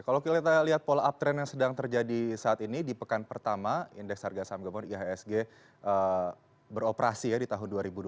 kalau kita lihat pola uptren yang sedang terjadi saat ini di pekan pertama indeks harga saham gabungan ihsg beroperasi ya di tahun dua ribu dua puluh